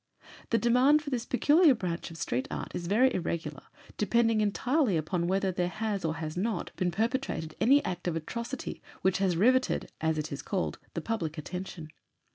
The demand for this peculiar branch of street art is very irregular, depending entirely upon whether there has or has not been perpetrated any act of atrocity, which has rivetted, as it is called, the public attention.